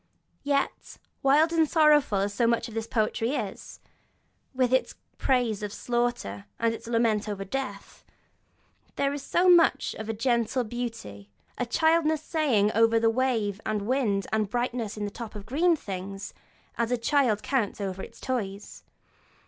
Yet, wild and sorrowful as so much of this poetry is, with its praise of slaughter and its lament over death, there is much also of a gentle beauty, a childlike saying over of wind and wave and the brightness in the tops of green things, as a child counts over its toys.